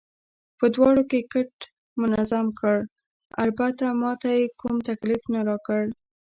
په دواړو یې کټ منظم کړ، البته ما ته یې کوم تکلیف نه راکړ.